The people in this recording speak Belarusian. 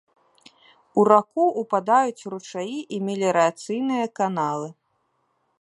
У раку ўпадаюць ручаі і меліярацыйныя каналы.